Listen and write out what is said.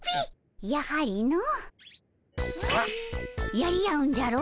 やり合うんじゃろ？